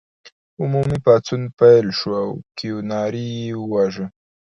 عمومي پاڅون پیل شو او کیوناري یې وواژه.